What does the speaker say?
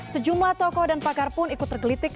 sejumlah tokoh dan pakar pun ikut tergelitik